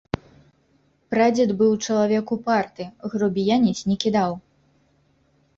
Прадзед быў чалавек упарты, грубіяніць не кідаў.